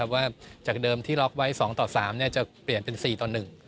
ว่าจากเดิมที่ล็อกไว้๒ต่อ๓จะเปลี่ยนเป็น๔ต่อ๑